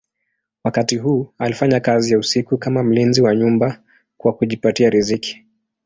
Wakati huu alifanya kazi ya usiku kama mlinzi wa nyumba kwa kujipatia riziki.